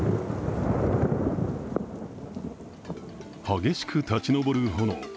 激しく立ち上る炎。